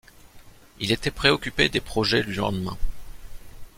Il était préoccupé des projets du lendemain.